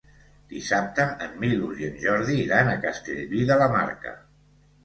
Dissabte en Milos i en Jordi iran a Castellví de la Marca.